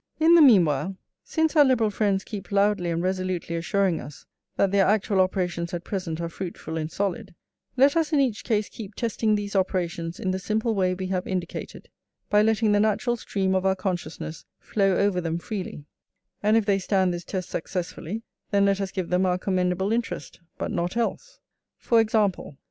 In the meanwhile, since our Liberal friends keep loudly and resolutely assuring us that their actual operations at present are fruitful and solid, let us in each case keep testing these operations in the simple way we have indicated, by letting the natural stream of our consciousness flow over them freely; and if they stand this test successfully, then let us give them our commendable interest, but not else. For example.